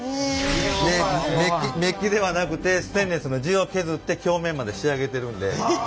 でメッキではなくてステンレスの地を削って表面まで仕上げてるんで。